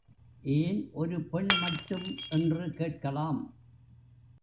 ஏன் ஒரு பெண் மட்டும் என்று கேட்கலாம்.